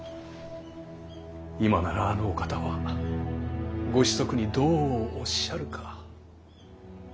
今ならあのお方はご子息にどうおっしゃるか。